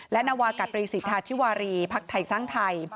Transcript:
และนวากาตรีสิทธาธิวารีพักไทยสร้างไทย